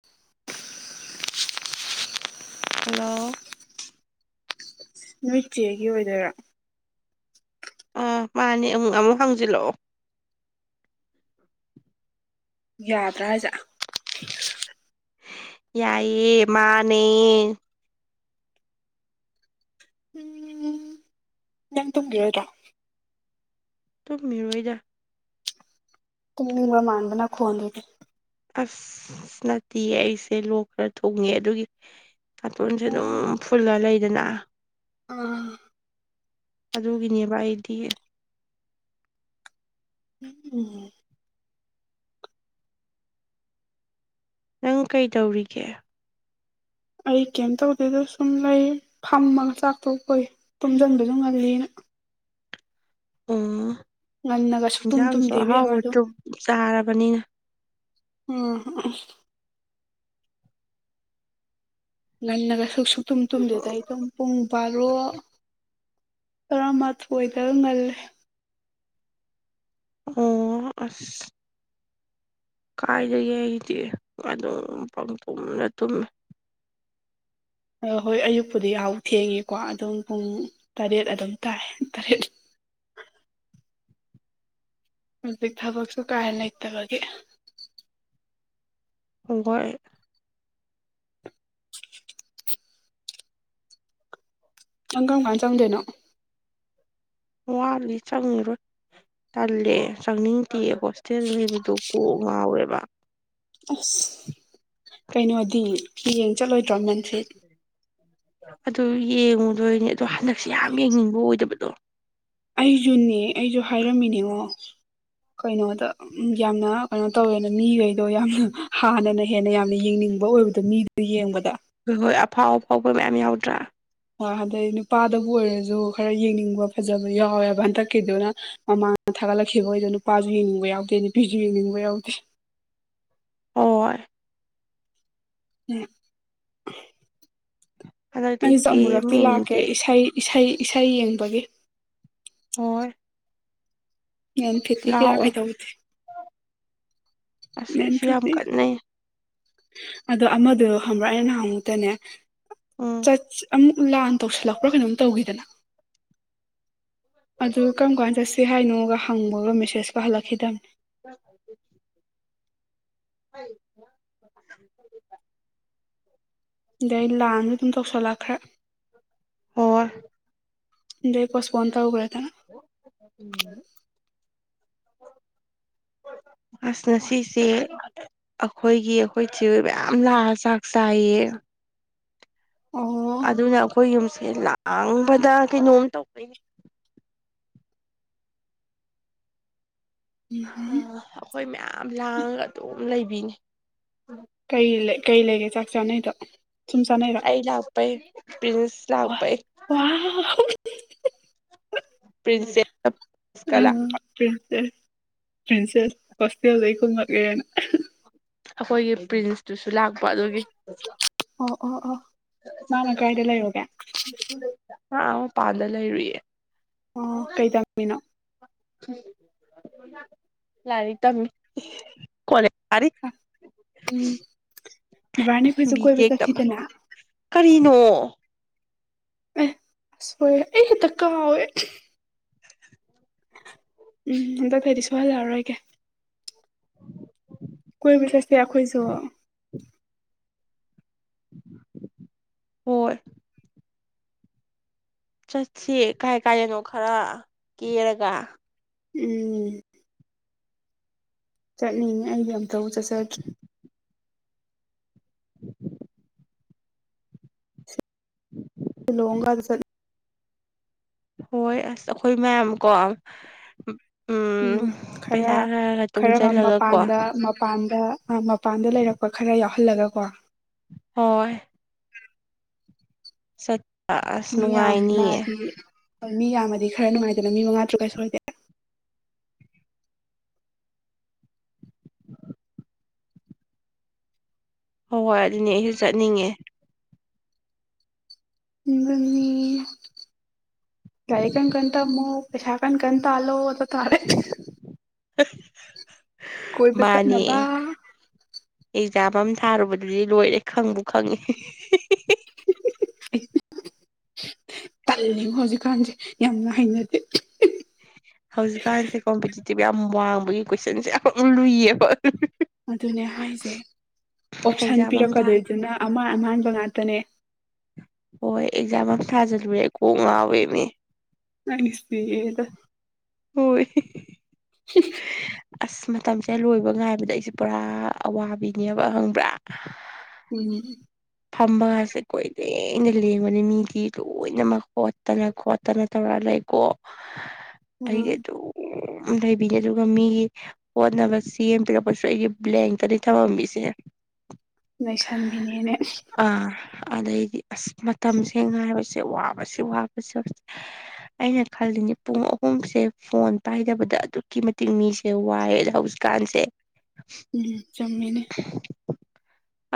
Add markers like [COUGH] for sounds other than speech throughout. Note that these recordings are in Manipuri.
[INAUDIBLE] ꯍꯜꯂꯣ ꯅꯣꯏ ꯆꯦꯒꯤ ꯑꯣꯏꯗꯣꯏꯔꯥ꯫ ꯑꯥ ꯃꯥꯅꯦ ꯑꯃꯨꯛ ꯑꯃꯨꯛ ꯍꯪꯖꯤꯜꯂꯛꯑꯣ꯫ ꯌꯥꯗ꯭ꯔꯥ ꯍꯥꯢꯖꯦ꯫ ꯌꯥꯏꯌꯦ ꯃꯥꯅꯦ꯫ [UNINTELLIGIBLE] ꯅꯪ ꯇꯨꯝꯒꯤꯔꯣꯢꯗ꯭ꯔꯣ꯫ ꯇꯨꯝꯃꯤꯔꯣꯏꯗ꯫ ꯇꯨꯝꯅꯤꯡꯕ ꯃꯥꯟꯕ ꯅꯈꯣꯟꯗꯨꯗꯤ꯫ ꯑꯁ ꯅꯠꯇꯤꯌꯦ ꯑꯩꯁꯦ ꯂꯣꯛ ꯈꯔ ꯊꯨꯡꯉꯦ ꯑꯗꯨꯒꯤ ꯅꯥꯇꯣꯟꯁꯦ ꯑꯗꯨꯝ ꯐꯨꯜꯂ ꯂꯩꯗꯅ꯫ ꯎꯝ꯫ ꯑꯗꯨꯒꯤꯅꯦꯕ ꯑꯩꯗꯤ꯫ ꯎꯝ꯫ ꯅꯪ ꯀꯩ ꯇꯧꯔꯤꯒꯦ꯫ ꯑꯩ ꯀꯩꯝ ꯇꯧꯗꯦꯗ ꯁꯨꯝ ꯂꯩ ꯐꯝꯃꯒ ꯆꯥꯛꯇꯣ ꯄꯏ ꯇꯨꯝꯖꯟꯕꯖꯨ ꯉꯜꯂꯤꯅ꯫ ꯎꯝ ꯉꯟꯅꯒ ꯁꯨꯛꯇꯨꯝ ꯏꯟꯖꯥꯡꯁꯨ ꯇꯨꯝꯗꯦ ꯏꯕꯦꯝꯃ ꯑꯍꯥꯎꯕ ꯑꯗꯨꯝ ꯆꯨꯞ ꯆꯥꯔꯕꯅꯤꯅ꯫ ꯎꯝ ꯉꯟꯅꯒ ꯁꯨꯛ ꯁꯨꯛꯇꯨꯝ ꯇꯨꯝꯗꯦꯗ ꯑꯩ ꯗꯨꯝ ꯄꯨꯡ ꯕꯥꯔꯣ꯫ ꯇꯔꯥꯃꯥꯊꯣꯏꯗ ꯉꯜꯂꯦ꯫ ꯑꯣ ꯑꯁ꯫ ꯀꯥꯏꯗꯒꯤ ꯑꯩꯗꯤ ꯑꯗꯨꯝ ꯄꯪꯇꯨꯝꯅ ꯇꯨꯝꯃꯦ꯫ ꯑ ꯍꯣꯏ ꯑꯌꯨꯛꯄꯨꯗꯤ ꯌꯥꯍꯧ ꯊꯦꯡꯉꯤꯀꯣ ꯑꯗꯨꯝ ꯄꯨꯡ ꯇꯔꯦꯠ ꯑꯗꯨꯝ ꯇꯥꯏ ꯇꯔꯦꯠ ꯑꯗꯩ ꯊꯕꯛꯁꯨ ꯀꯥ ꯍꯦꯟ ꯂꯩꯇꯕꯒꯤ꯫ ꯒꯣꯏ ꯅꯪ ꯀꯔꯝ ꯀꯥꯟ ꯆꯪꯗꯣꯏꯅꯣ꯫ ꯋꯥꯠꯂꯤ ꯆꯪꯉꯤꯔꯣꯏ꯫ ꯇꯜꯂꯦꯑꯦ ꯆꯪꯅꯤꯡꯗꯦꯑ ꯍꯣꯁꯇꯦꯜ ꯂꯩꯕꯗꯣ ꯀꯣꯛ ꯉꯥꯎꯋꯦꯕ꯫ ꯑꯁ ꯀꯩꯅꯣꯗꯤ ꯐꯤ ꯌꯦꯡ ꯆꯠꯂꯣꯏꯗ꯭ꯔꯣ ꯃꯟꯇ꯭ꯔꯤꯠ꯫ ꯑꯗꯨ ꯌꯦꯡꯉꯨꯗꯣꯏꯅꯦ ꯑꯗꯣ ꯍꯟꯗꯛꯁꯦ ꯌꯥꯝ ꯌꯦꯡꯅꯤꯡꯕ ꯑꯣꯏꯗꯕꯗꯣ꯫ ꯑꯩꯖꯨꯅꯦ ꯑꯩꯖꯨ ꯍꯥꯏꯔꯝꯃꯤꯅꯦꯉꯣ ꯀꯩꯅꯣꯗ꯫ ꯌꯥꯝꯅ ꯀꯩꯅꯣ ꯇꯧꯋꯦꯅ ꯃꯤꯒꯩꯗꯣ ꯌꯥꯝꯅ ꯍꯥꯟꯅꯅ ꯍꯦꯟꯅ ꯌꯥꯝꯅ ꯌꯦꯡꯅꯤꯡꯕ ꯑꯣꯏꯕꯗꯣ ꯃꯤ꯫ ꯗꯨ ꯌꯦꯡꯕꯗ꯫ ꯍꯣꯏ ꯍꯣꯏ ꯑꯐꯥꯎ ꯑꯐꯥꯎꯕ ꯃꯌꯥꯝ ꯌꯥꯎꯗ꯭ꯔꯥ꯫ ꯑꯗꯩ ꯅꯨꯄꯥꯗꯕꯨ ꯑꯣꯏꯔꯁꯨ ꯈꯔ ꯌꯦꯡꯅꯤꯡꯕ ꯐꯖꯕ ꯌꯥꯎꯋꯦꯕ ꯍꯟꯗꯛꯀꯤꯗꯨꯅ꯫ ꯃꯃꯥꯅ ꯊꯥꯒꯠꯂꯛꯈꯤꯕ ꯑꯣꯏꯗꯣ ꯅꯨꯄꯥꯁꯨ ꯌꯦꯡꯅꯤꯡꯕ ꯌꯥꯎꯗꯦ ꯅꯨꯄꯤꯁꯨ ꯌꯦꯡꯅꯤꯡꯕ ꯌꯥꯎꯗꯦ꯫ ꯍꯣꯏ꯫ [UNINTELLIGIBLE] ꯍꯟꯗꯛꯇꯤ ꯑꯩꯁꯨ ꯀꯦꯝ ꯑꯃꯨꯨꯔꯛꯇꯤ ꯂꯥꯛꯀꯦ ꯌꯦꯡꯅꯤꯡꯗꯦ ꯏꯁꯩ ꯏꯁꯩ ꯏꯁꯩ ꯌꯦꯡꯕꯒꯤ꯫ ꯍꯣꯏ ꯌꯦꯟ ꯐꯤꯠꯇꯤ ꯀꯌꯥ ꯂꯥꯛꯑꯣ ꯀꯩꯗꯧꯗꯦ꯫ ꯑꯁ ꯀꯩꯁꯨ ꯌꯥꯝ ꯃꯦꯟꯐꯤꯠꯇꯤ ꯀꯟꯅꯩ ꯑꯗꯣ ꯑꯃꯗꯣ ꯍꯪꯕ꯭ꯔꯥ ꯑꯩꯅ ꯅꯍꯥꯟ ꯃꯨꯛꯇꯅꯦ ꯎꯝ ꯆꯠ ꯑꯃꯨꯛ ꯂꯥꯟ ꯇꯧꯁꯤꯜꯂꯛꯄ꯭ꯔꯥ ꯀꯩꯅꯣꯝ ꯇꯧꯈꯤꯗꯅ꯫ ꯑꯗꯨ ꯀꯔꯝ ꯀꯥꯟ ꯆꯠꯁꯤ ꯍꯥꯏꯅꯣꯒ ꯍꯪꯕꯒ ꯃꯦꯁꯦꯁꯀ ꯍꯜꯂꯛꯈꯤꯗꯝꯅꯦ꯫ [UNINTELLIGIBLE] ꯑꯗꯩ ꯂꯥꯟ ꯁꯨ ꯑꯗꯨꯝ ꯇꯧꯁꯜꯂꯛꯈ꯭ꯔꯦ꯫ ꯑꯣꯢ꯫ ꯑꯗꯩ ꯄꯣꯁꯄꯣꯟ ꯇꯧꯒ꯭ꯔꯦꯗꯅ꯫ ꯎꯝ꯫ [UNINTELLIGIBLE] ꯑꯁ ꯉꯥꯁꯤꯁꯦ ꯑꯈꯣꯏꯒꯤ ꯑꯈꯣꯏ ꯆꯦꯍꯣꯏ ꯃꯌꯥꯝ ꯂꯥꯛꯑ ꯆꯥꯛ ꯆꯥꯏꯌꯦ ꯑꯣ ꯑꯗꯨꯅ ꯑꯩꯈꯣꯏ ꯌꯨꯝꯁꯦ ꯂ ꯂꯥꯡꯕꯗ ꯀꯩꯅꯣꯝ ꯇꯧꯗꯣꯏꯅꯦ ꯑ ꯎꯝ ꯑꯩꯈꯣꯏ ꯃꯌꯥꯝ ꯂꯥꯡꯉꯒ ꯑꯗꯨꯝ ꯂꯩꯕꯤꯅꯤ ꯀꯩ ꯀꯩ ꯂꯩꯒꯦ ꯆꯥꯛ ꯆꯥꯅꯩꯗꯣ ꯁꯨꯝ ꯆꯥꯅꯩꯔꯣ ꯑꯩ ꯂꯥꯛꯄꯩ ꯄꯔꯤꯟꯁ ꯋꯥ ꯂꯥꯛꯄꯩ ꯋꯥꯎ ꯄꯔꯤꯟꯁꯦꯁ ꯅꯪ ꯄꯔꯤꯟꯁꯦꯁ ꯄꯔꯤꯟꯁꯦꯁ ꯍꫭꯁꯇꯦꯜꯗꯩ ꯀꯨꯝ ꯃꯛ ꯑꯦꯅ ꯑꯩꯈꯣꯏꯒꯤ ꯄ꯭ꯔꯤꯟꯁꯇꯨꯁꯨ ꯂꯥꯛꯄ ꯑꯗꯨꯒꯤ ꯑꯣ ꯑꯣ ꯑꯣ ꯃꯥꯅ ꯀꯥꯏꯗ ꯂꯩꯔꯨꯒꯦ ꯃꯥ‌ ꯑꯥ ꯃꯄꯥꯥꯟꯗ ꯂꯩꯔꯨꯏꯌꯦ ꯑꯣ ꯀꯩ ꯇꯝꯃꯤꯅꯣ ꯂꯥꯏꯔꯛ ꯇꯝꯃꯤ ꯀꫭꯂꯦꯁ ꯀꯔꯤ ꯎꯝ ꯅꯤꯕꯥꯔꯅꯤ ꯑꯩꯈꯣꯏꯁꯨ ꯕꯤ ꯀꯣꯏꯕ ꯇꯦꯛꯇꯝꯕ ꯆꯠꯁꯤꯗꯅ ꯀꯔꯤꯅꯣ ꯑꯦ ꯁꫭꯏꯔꯩ ꯑꯩ ꯍꯦꯛꯇ ꯀꯥꯎꯋꯦ ꯎꯝ ꯍꯟꯗꯛꯇꯩꯗꯤ ꯁꯣꯏꯍꯜꯂꯛꯑꯔꫭꯏꯒꯦ ꯀꯣꯏꯕ ꯆꯠꯁꯦ ꯑꯩꯈꯣꯏꯁꯨ ꯍꫭꯏ ꯆꯠꯁꯦ ꯀꯥꯏ ꯀꯥꯏꯗꯅꯣ ꯈꯔ ꯀꯦꯔꯒ ꯎꯝ ꯆꯠꯅꯤꯡꯉꯦ ꯑꯩꯗꯤ ꯑꯝꯇꯕꯨ ꯆꯠꯆꯗ꯭ꯔꯤ [UNINTELLIGIBLE] ꯎꯝ [UNINTELLIGIBLE] ꯂꯤꯂꯣꯡꯒꯥꯗꯨ ꯆꯠ ꯍꯣꯏ ꯑꯁ ꯑꯩꯈꯣꯏ ꯃꯌꯥꯝ ꯀꯣ ꯎꯝ ꯈꯔ ꯈꯔ ꯇꯨꯡꯁꯤꯜꯂꯒ ꯀꯣ ꯃꯄꯥꯟꯗ ꯃꯄꯥꯟꯗ ꯃꯄꯥꯟꯗ ꯂꯩꯔꯛꯄ ꯈꯔ ꯌꯥꯎꯍꯜꯂꯒꯀꯣ ꯍꯣꯏ ꯆꯠꯄ ꯑꯁ ꯃꯤ ꯅꯨꯡꯉꯥꯏꯅꯤꯌꯦ ꯌꯥꯝꯅꯗꯤ ꯍꯣꯏ ꯃꯤ ꯌꯥꯝꯃꯗꯤ ꯈꯔ ꯅꯨꯡꯉꯥꯏꯗꯅ ꯃꯪꯉꯥ ꯇꯔꯨꯛ ꯀꯥ ꯁꯨꯔꯗꯤ ꯍꯣꯏ ꯑꯗꯨꯅꯦ ꯑꯩꯁꯨ ꯆꯠꯅꯤꯡꯉꯦ ꯑꯗꯨꯅꯤ ꯂꯥꯏꯔꯤꯛ ꯀꯟ ꯀꯟ ꯇꯝꯃꫭ ꯄꯩꯁꯥ ꯀꯟ ꯀꯟ ꯇꯜꯂꯦ ꯑꯗꯨꯒ ꯇꯔ [UNINTELLIGIBLE] ꯀꯣꯏꯕ ꯃꯥꯅꯤ ꯆꯠꯅꯕ ꯑꯦꯛꯖꯥꯝ ꯑꯃ ꯊꯥꯔꯨꯕꯗꯨꯗꯤ ꯂꯣꯏꯔꯦ ꯈꯪꯕꯨ ꯈꯪꯉꯤ [UNINTELLIGIBLE] ꯇꯜꯂꯤꯉꫭ ꯍꯧꯖꯤꯛꯀꯥꯟꯁꯦ ꯌꯥꯝꯅ ꯍꯩꯅꯗꯦ ꯍꯧꯖꯤꯛꯀꯥꯟꯁꯦ ꯀꯣꯝꯄꯤꯇꯤꯇꯤꯚ ꯌꯥꯝ ꯋꯥꯡꯕꯒꯤ ꯀꯣꯏꯁꯟꯁꯦ ꯌꯥꯝ ꯂꯨꯏꯌꯦꯕ ꯑꯗꯨꯅꯦ ꯍꯥꯏꯁꯦ ꯑꯣꯞꯁꯟ ꯑꯦꯛꯖꯥꯝ ꯑꯃ ꯊꯥ ꯄꯤꯔꯛꯀꯗꯣꯏꯗꯨꯅ ꯑꯃꯥꯟ ꯑꯃꯥꯟꯕ ꯉꯥꯛꯇꯅꯦ ꯍꯣꯏ ꯑꯦꯛꯖꯥꯝ ꯑꯝ ꯊꯥꯖꯜꯂꯨꯔꯦ ꯑꯩ ꯀꯣꯛ ꯉꯥꯎꯋꯦꯃꯤ ꯅꯪꯒꯨ ꯏꯁꯄꯦꯗꫭ ꯍꯣꯏ [UNINTELLIGIBLE] ꯑꯁ ꯃꯇꯝꯁꯦ ꯂꯣꯏꯕ ꯉꯥꯏꯕꯗ ꯑꯩꯁꯨꯦ ꯄꯨꯔꯥ ꯑꯋꯥꯕꯤꯅꯦꯕ ꯈꯪꯕ꯭ꯔꯥ ꯎꯝ ꯐꯝꯕꯁꯦ ꯀꯣꯏ ꯂꯦꯡ ꯂꯦꯡꯕꯅꯤ ꯃꯤꯗꯤ ꯂꯣꯏꯅꯃꯛ ꯈꯣꯠꯇꯅ ꯈꯣ ꯇꯅ ꯇꯧꯔꯥ ꯂꯩꯀꯣ [INAUDIBLE] ꯑꯩꯒꯤ ꯑꯗꯨꯝ ꯂꯩꯕꯤꯅꯦ ꯑꯗꯨꯒ ꯃꯤꯒꯤ ꯍꯣꯠꯅꯕ ꯁꯦꯝ ꯌꯦꯕꯤꯤꯔꯛꯄꯁꯨ ꯑꯩꯒꯤ ꯕ꯭ꯂꯦꯡꯇꯅꯤ ꯊꯝꯃꯝꯃꯤꯁꯦ ꯂꯩꯁꯟꯕꯤꯅꯦꯅꯦ ꯑꯗꯩꯗꯤ ꯑꯁ ꯃꯇꯝꯁꯦ ꯉꯥꯏꯕꯁꯦ ꯋꯥꯕꯁꯤ ꯋꯥꯕꯁꯨ ꯑꯩꯅ ꯈꯜꯂꯤꯅꯦ ꯄꯨꯡ ꯑꯍꯨꯝꯁꯦ ꯐꯣꯟ ꯄꯥꯏꯗꯕꯗ ꯑꯗꯨꯛꯀꯤ ꯃꯇꯤꯛ ꯃꯤꯁꯦ ꯋꯥꯏꯑ ꯑ ꯍꯧꯖꯤꯛ ꯀꯥꯟꯁꯦ ꯎꯝ ꯆꯃꯤꯅꯦ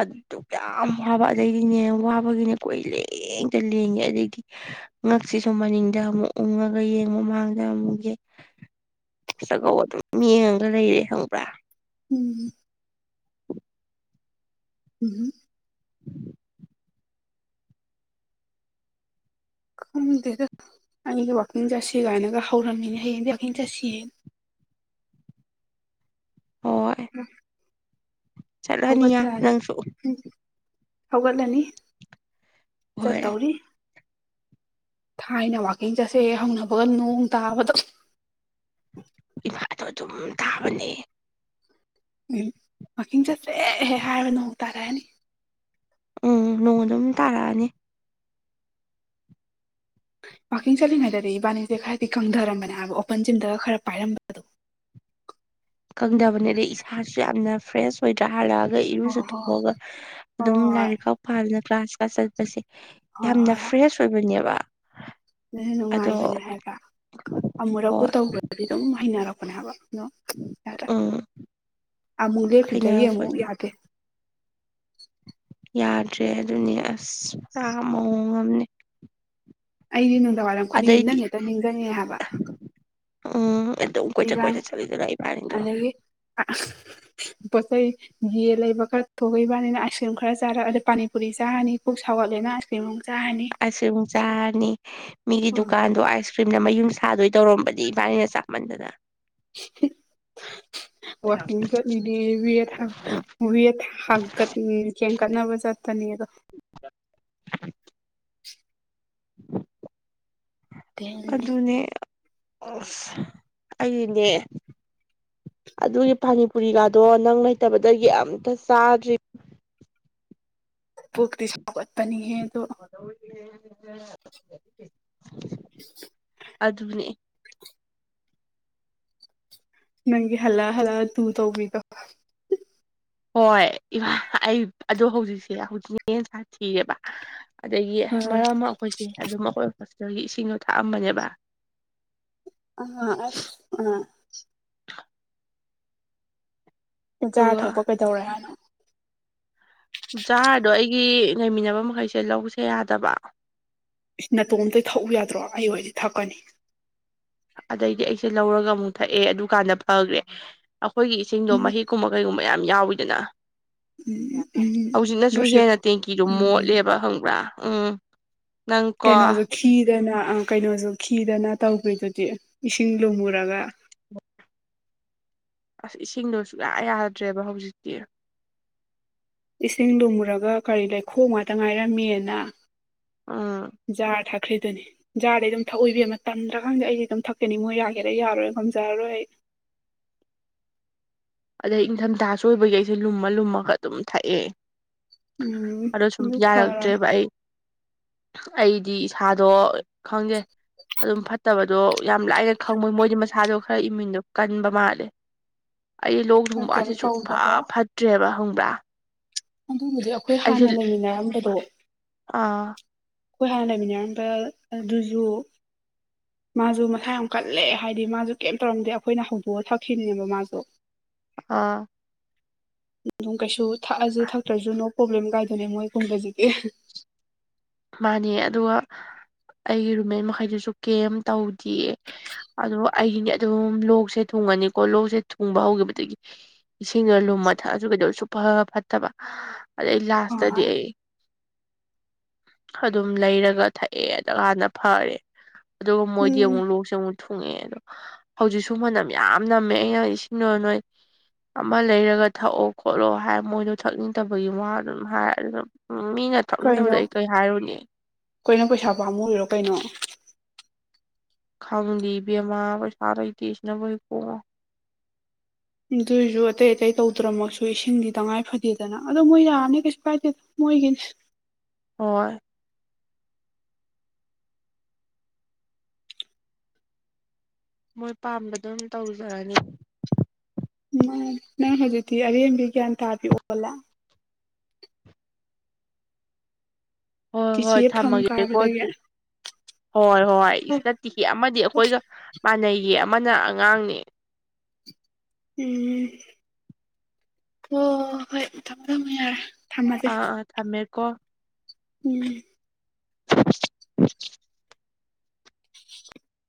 ꯑꯗꯨ ꯇ ꯀ ꯌꯥꯝ ꯋꯥꯕ ꯑꯗꯩꯗꯤꯅꯦ ꯋꯥꯕꯒꯤꯅꯦ ꯀꯣꯏ ꯂꯦꯡꯇ ꯂꯦꯡꯉꯦ ꯑꯗꯩꯗꯤ ꯉꯛꯁꯤꯁꯨ ꯃꯅꯤꯡꯗ ꯑꯃꯨꯛ ꯎꯡꯉꯒ ꯌꯦꯡꯉꯨ ꯃꯃꯥꯡꯗ ꯑꯃꯨꯛ ꯌꯦ ꯆꯥꯛꯀꯧꯕ ꯑꯗꯨꯝ ꯃꯤꯡꯉꯒ ꯂꯩꯔꯦ ꯍꯪꯕ꯭ꯔꯥ ꯎꯝ ꯎꯝ ꯗꯗ ꯑꯩꯒꯤ ꯋꯥꯛꯀꯤꯡ ꯆꯥꯁꯤ ꯀꯥꯏꯅꯒ ꯍꯧꯔꯝꯃꯤꯅ ꯍꯌꯦꯡꯗꯤ ꯋꯥꯛꯀꯤꯡ ꯆꯥꯁꯤ ꯍꯣꯏ ꯎꯝ ꯆꯠꯂꯅꯤ ꯌꯥꯝ ꯍꯧꯒꯠꯗꯅꯤ ꯅꯪꯁꯨ ꯎꯝ ꯍꯧꯒꯠꯂꯅꯤ ꯍꯣꯏ ꯆꯠꯇꯧꯔꯤ ꯊꯥꯏꯅ ꯋꯥꯛꯀꯤꯡ ꯆꯠꯁꯦ ꯍꯧꯅꯕꯒ ꯅꯣꯡ ꯇꯥꯕꯗ ꯏꯃꯥꯗꯣ ꯑꯗꯨꯝ ꯇꯥꯕꯅꯦ ꯎꯝ ꯋꯥꯋꯥꯛꯀꯤꯡ ꯆꯠꯁꯦꯍꯦꯛ ꯍꯥꯏꯔ ꯅꯣꯡ ꯇꯥꯔꯛꯑꯅꯤ ꯎꯝ ꯅꯣꯡ ꯑꯗꯨꯝ ꯇꯥꯔꯛꯑꯅꯤ ꯋꯥꯀꯤꯡ ꯆꯠꯂꯤꯉꯩꯗꯗꯤ ꯏꯕꯥꯅꯤꯁꯦ ꯈꯔꯗꯤ ꯀꯪꯊꯔꯝꯕꯅꯦ ꯍꯥꯏꯕ ꯑꯣꯄꯟ ꯖꯤꯝꯗꯒ ꯈꯔ ꯄꯥꯏꯔꯝꯕꯗꯣ ꯀꯪꯗꯕꯅꯦ ꯑꯗꯩ ꯏꯁꯥꯁꯨ ꯌꯥꯝꯅ ꯐ꯭ꯔꯦꯁ ꯑꯣꯏꯣꯏꯗ꯭ꯔꯥ ꯍꯜꯂꯛꯑꯒ ꯍꯣ ꯍꯣ ꯏꯔꯨꯖꯊꯣꯛꯑꯒ ꯑꯗꯨꯝ ꯍꯣꯏ ꯂꯥꯏꯔꯤꯛ ꯈꯥꯎ ꯄꯥꯗꯅ ꯀ꯭ꯂꯥꯁ ꯀꯥꯁ ꯆꯠꯄꯁꯦ ꯍꯣꯏ ꯌꯥꯝꯅ ꯐ꯭ꯔꯦꯁ ꯑꯣꯏꯕꯅꯦꯕ ꯑꯗꯨ ꯑꯗꯣ ꯅꯨꯡꯉꯥꯏꯕꯅꯦ ꯍꯥꯏꯕ ꯑꯃꯨꯔꯛꯄꯨ ꯍꯣꯏ ꯇꯧꯕ꯭ꯔꯗꯤ ꯑꯗꯨꯝ ꯍꯩꯅꯔꯛꯄꯅꯦ ꯍꯥꯏꯕ ꯑꯗꯣ ꯌꯥꯔ ꯎꯝ ꯑꯃꯨꯛ ꯂꯦꯛꯞꯈꯤꯕꯗꯒꯤ ꯑꯃꯨꯛ ꯍꯩꯅꯔꯛꯄꯅꯦ ꯌꯥꯗꯦ ꯌꯥꯗ꯭ꯔꯦ ꯑꯗꯨꯅꯤ ꯑꯁ ꯄꯨꯔꯥ ꯃꯑꯣꯡ ꯑꯃꯅꯦ ꯑꯩꯗꯤ ꯅꯨꯡꯗꯥꯡ ꯋꯥꯏꯔꯝ ꯈꯨꯗꯤꯡꯒꯤ ꯑꯗꯩꯗꯤ ꯅꯪꯦꯛꯇ ꯅꯤꯡꯁꯤꯡꯉꯦ ꯍꯥꯏꯕ ꯎꯝ ꯑꯗꯨꯝ ꯀꯣꯏꯆꯠ ꯀꯣꯏꯆꯠ ꯆꯠꯂꯤꯗꯅ ꯏꯕꯥꯥꯔꯤꯡꯗꯣ ꯑ ꯁꯥꯏ ꯌꯦꯟ ꯂꯩꯕ ꯈꯔ ꯊꯣꯛꯂꯏꯕꯅꯤꯅ ꯑꯥꯏꯁ ꯀ꯭ꯔꯤꯝ ꯈꯔ ꯆꯥꯔ ꯑꯗꯩ ꯄꯅꯤꯄꯨꯔꯤ ꯆꯥꯔꯅꯤ ꯀꯣꯛ ꯁꯥꯎꯒꯠꯂꯦꯅ ꯑꯥꯏꯁ ꯀ꯭ꯔꯤꯝ ꯑꯃꯨꯛ ꯆꯥꯔꯅꯤ ꯑꯨꯝ ꯆꯥꯅꯤ ꯃꯤꯒꯤ ꯗꯨꯀꯥꯟꯗꯣ ꯑꯩꯁꯨ ꯁꯨꯝꯅ ꯃꯌꯨꯝ ꯁꯥꯗꯣꯏ ꯇꯧꯔꯝꯕꯗꯤ ꯏꯕꯥꯅꯤꯅ ꯆꯥꯛꯃꯟꯗꯅ [INAUDIBLE] ꯋꯥꯀꯤꯡ ꯆꯂꯤꯗꯤ ꯊ ꯊ ꯍ ꯀ ꯀꯡ ꯀ ꯅꯕꯖꯥ ꯇꯅꯤ [INAUDIBLE] ꯎꯝ ꯗꯦꯜꯂꯤ ꯑꯗꯨꯅꯦ ꯑꯁ ꯑꯩꯅꯦ ꯑꯗꯨꯒꯤ ꯄꯥꯅꯤꯄꯨꯔꯤꯂꯥꯗꯣ ꯅꯪ ꯂꯩꯇꯕꯗꯒꯤ ꯑꯝꯇ ꯆꯥꯗ꯭ꯔꯤ ꯄꯨꯒꯇꯁꯒꯠꯇꯅꯤ ꯍꯣ ꯑꯗꯨꯅꯦ ꯅꯪꯒꯤ ꯍꯂ ꯍꯂ ꯇꯨ ꯇꯧꯕꯤꯗ ꯍꯣꯏ ꯏ ꯑꯩ ꯑꯗ ꯍꯧꯖꯤꯛꯁꯦ ꯍꯧꯖꯤꯛꯅ ꯁꯥꯊꯤꯔꯦꯕ ꯑꯗꯒꯤ ꯎꯝ ꯃꯔꯛ ꯑꯃ ꯑꯩꯈꯣꯏꯁꯦ ꯑꯗꯨꯝ ꯑꯩꯈꯣꯏ ꯍꯣꯁꯄꯤꯇꯥꯜꯒꯤ ꯏꯁꯤꯡꯗꯣ ꯊꯥꯛꯑꯝꯕꯅꯦꯕ ꯑ ꯑꯁ ꯎ ꯆꯥꯔ ꯑꯗꯨꯒ ꯊꯛꯄ ꯀꯩꯗꯧꯔꯦ ꯍꯥꯏꯅꯣ ꯖꯥꯔꯗꯣ ꯑꯩꯒꯤ ꯂꯩꯃꯤꯟꯅꯕ ꯃꯈꯩꯁꯦ ꯂꯧꯁꯦ ꯌꯥꯗꯕ ꯅꯥꯇꯣꯝꯇ ꯊꯛꯎ ꯌꯥꯗ꯭ꯔꯣ ꯑꯩ ꯍꯔꯗꯤ ꯊꯛꯀꯅꯤ ꯑꯗꯩꯗꯤ ꯑꯩꯁꯦ ꯂꯧꯔꯒ ꯑꯃꯨꯛ ꯊꯛꯑꯦ ꯑꯗꯨꯀꯥꯟꯗ ꯐꯈ꯭ꯔꯦ ꯑꯩꯈꯣꯏꯒꯤ ꯏꯁꯤꯡꯗꯣ ꯎꯝ ꯃꯍꯤꯛ ꯀꯨꯝꯕ ꯀꯩꯒꯨꯝꯕ ꯌꯥꯝ ꯌꯥꯎꯋꯤꯗꯅ꯫ ꯎꯝ ꯍꯧꯖꯤꯛꯅꯁꯨ ꯔꯣꯁꯤꯞ ꯍꯦꯟꯅ ꯇꯦꯡꯀꯤꯗꯨ ꯎꯝ ꯃꯣꯠꯂꯦꯕ ꯈꯪꯕ꯭ꯔꯥ ꯎꯝ ꯅꯪꯀꯣ ꯀꯩꯅꯣꯁꯨ ꯈꯤꯗꯅ- ꯀꯩꯅꯣꯁꯨ ꯈꯤꯗꯅ ꯇꯧꯈ꯭ꯔꯤꯗꯨꯗꯤ ꯏꯁꯤꯡ ꯂꯨꯝꯃꯨꯔꯒ ꯑꯁ ꯏꯁꯤꯡꯗꯣ ꯁꯨꯡꯛꯌꯥ ꯌꯥꯗ꯭ꯔꯦꯕ ꯍꯧꯖꯤꯛꯇꯤ꯫ ꯏꯁꯤꯡ ꯃꯨꯔꯒ ꯀꯔꯤ ꯂꯩꯈꯣ ꯉꯥꯛꯇ ꯉꯥꯏꯔꯝꯃꯤꯅ ꯎꯝ ꯖꯥꯔ ꯊꯥꯈ꯭ꯔꯤꯗꯨꯅꯤ꯫ ꯖꯥꯕꯗꯩ ꯑꯗꯨꯝ ꯊꯛꯎ ꯏꯕꯤꯕꯃ ꯇꯝꯗ꯭ꯔꯈꯪꯗꯦ ꯑꯩꯁꯗꯤ ꯑꯗꯨꯝ ꯊꯛꯀꯅꯤ ꯃꯣꯏ ꯌꯥꯒꯦꯔꯥ ꯌꯥꯔꯣꯏ ꯉꯝꯖꯔꯔꯣꯏ ꯑꯗꯩ ꯏꯪꯊꯝꯊꯥꯁꯨ ꯑꯣꯏꯕꯒꯤ ꯑꯩꯁꯦ ꯂꯨꯝꯃ ꯂꯨꯝꯃꯒ ꯑꯗꯨꯝ ꯊꯛꯑꯦ꯫ ꯎꯝ ꯑꯗꯣ ꯁꯨꯝ ꯑꯗꯨ ꯌꯥꯔꯛꯇ꯭ꯔꯦ ꯐꯔꯕꯅꯦ ꯚ ꯑꯩ ꯑꯩꯗꯤ ꯏꯁꯥꯗꯣ ꯈꯪꯗꯦ ꯑꯗꯨꯝ ꯐꯠꯇꯕ ꯗꯣ ꯌꯥꯝ ꯂꯥꯏꯅ ꯈꯪꯕꯣꯏ ꯃꯣꯏꯗꯤ ꯃꯁꯥꯗꯣ ꯈꯔ ꯏꯃꯟꯗꯣ ꯀꯟꯕ ꯃꯥꯜꯂꯦ ꯑꯩ ꯂꯣꯛ ꯃꯣꯏ ꯀꯩꯝ ꯊꯣꯡꯕꯁꯤ ꯁꯨꯡ ꯐ ꯇꯧꯗꯕ ꯐꯠꯇ꯭ꯔꯦꯕ ꯍꯪꯕ꯭ꯔꯥ ꯑꯗꯨꯕꯨꯗꯤ ꯑꯩꯈꯣꯏ ꯍꯥꯟꯅ ꯂꯩꯃꯤꯟꯅꯔꯝꯕꯗꯣ ꯑꯥ ꯑꯩꯈꯣꯏ ꯍꯥꯟꯅ ꯂꯩꯃꯤꯟꯅꯔꯝꯕ ꯑꯗꯨꯁꯨ ꯃꯥꯁꯨ ꯃꯁꯥ ꯌꯥꯝ ꯀꯜꯂꯦ ꯍꯥꯏꯗꯤ ꯃꯥꯁꯨ ꯀꯩꯝ ꯇꯧꯔꯝꯗꯦ ꯑꯩꯈꯣꯏꯅ ꯍꯧꯗꯣꯛꯑ ꯊꯛꯈꯤꯕꯅꯦꯕ ꯃꯥꯁꯨ ꯑ ꯑꯗꯨꯝ ꯀꯩꯁꯨ ꯊꯥꯛꯑꯁꯨ ꯊꯛꯇ꯭ꯔꯁꯨ ꯅꯣ ꯄ꯭ꯔꯣꯕ꯭ꯂꯦꯝ ꯀꯥꯏꯗꯅꯦ ꯃꯣꯏꯒꯨꯝꯕꯁꯤꯗꯤ ꯃꯥꯅꯦ ꯑꯗꯨꯒ ꯑꯩꯒꯤ ꯔꯨꯃꯦꯟ ꯃꯈꯩꯗꯨꯁꯨ ꯀꯦꯝꯝ ꯇꯧꯗꯌꯦ ꯑꯗꯣ ꯑꯩꯒꯤꯅꯤ ꯑꯗꯨꯝ ꯂꯣꯛꯁꯦ ꯊꯨꯡꯉꯅꯤꯀꯣ ꯂꯣꯛꯁꯦ ꯊꯨꯡꯕ ꯍꯧꯈꯤꯕꯗꯒꯤ ꯏꯁꯤꯡꯒ ꯂꯨꯝꯃ ꯊꯛꯑꯁꯨ ꯀꯩꯗꯧ ꯁꯨꯞꯐ ꯐꯠꯇꯕ ꯑꯗꯩ ꯂꯥꯁꯇꯗꯤ ꯑꯩ ꯑꯗꯨꯝ ꯂꯩꯔꯒ ꯊꯛꯑꯦꯗ ꯍꯥꯟꯅ ꯐꯔꯦ ꯑꯗꯨꯒ ꯃꯣꯏꯗꯤ ꯎꯝ ꯑꯃꯨꯛ ꯂꯣꯛꯁꯦ ꯑꯃꯨꯛ ꯊꯨꯡꯉꯛꯑꯦ ꯑꯗꯣ ꯍꯧꯖꯤꯛꯁꯨ ꯃꯅꯝ ꯌꯥꯝ ꯅꯝꯃꯦ ꯑꯩꯅ ꯏꯁꯤꯡꯗ ꯅꯣꯏ ꯑꯃ ꯂꯩꯔꯒ ꯊꯛꯑꯣ ꯈꯣꯠꯂꯣ ꯍꯥꯏ ꯃꯣꯏꯗꯣ ꯊꯛꯅꯤꯡꯗꯕꯒꯤ ꯋꯥ ꯑꯗꯨꯝ ꯍꯥꯏꯔ ꯑꯗꯨꯅ ꯎꯝ ꯃꯤ ꯅ ꯀꯩꯅꯣ ꯀꯩꯅꯣ ꯄꯩꯁꯥ ꯄꯥꯝꯃꯨ ꯑꯣꯏꯔꯣ ꯀꯩꯅꯣ? ꯈꯪꯂꯤꯕꯦꯝꯃꯥ ꯄꯩꯁꯥꯔꯩꯇꯦꯁꯤꯅꯅꯕꯣꯏ ꯄꯣꯛꯑꯣ ꯑꯗꯨꯏꯁꯨ ꯑꯇꯩ ꯑꯇꯩ ꯇꯧꯗ꯭ꯔꯃꯁꯨ ꯏꯁꯤꯡꯗꯤ ꯇꯉꯥꯏ ꯐꯗꯦꯗꯅ ꯑꯗꯣ ꯃꯣꯏ ꯌꯥꯔꯅꯤ ꯀꯩꯁꯨ ꯀꯥꯏꯗꯦꯗ꯫ ꯃꯣꯏꯒꯤꯅꯤ ꯍꯣꯏ ꯃꯣꯏ ꯄꯥꯝꯕ ꯑꯗꯨ ꯑꯗꯨꯝ ꯇꯧꯖꯔꯅꯤ ꯎꯝ ꯅꯪ ꯍꯧꯖꯤꯛꯇꯤ ꯑꯔꯦꯝꯕꯤ ꯒ꯭ꯌꯥꯟ ꯇꯥꯕꯤꯌꯛꯑꯣ ꯍꯣꯏ ꯆꯤꯆꯦ ꯍꯣꯏ ꯐꯝ ꯊꯝꯃꯒꯦꯀꯣ ꯀꯥꯕꯗꯒꯤ ꯑꯗꯨ ꯍꯣꯏ ꯍꯣꯏ ꯏꯁꯇ ꯅꯠꯇꯑꯃꯗꯤ ꯑꯩꯈꯣꯏꯒ ꯄꯄꯟꯅꯩꯌꯦ ꯑꯃꯅ ꯑꯉꯥꯡꯅꯦ꯫ ꯎꯝ ꯑꯣ ꯍꯣꯏ ꯊꯝ ꯊꯝꯃ ꯌꯥꯔꯦ꯫ ꯊꯝꯃꯁꯦ ꯑꯥ ꯑꯥ ꯊꯝꯃꯦꯔꯀꯣ ꯎꯝ